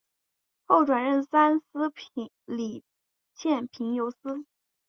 后转任三司理欠凭由司。